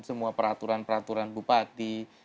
semua peraturan peraturan bupati